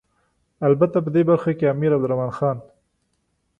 البته په دې برخه کې امیر عبدالرحمن خان.